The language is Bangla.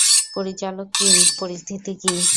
পরিচালক কিম, পরিস্থিতি কী?